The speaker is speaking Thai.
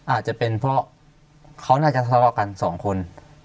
อาจจะเป็นเพราะเขาน่าจะทะเลาะกันสองคน